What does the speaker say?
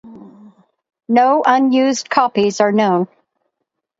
No unused copies are known.